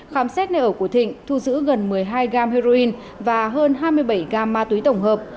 khám xét nơi ở của thịnh thu giữ gần một mươi hai gam heroin và hơn hai mươi bảy gam ma túy tổng hợp